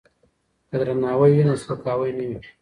که درناوی وي نو سپکاوی نه وي.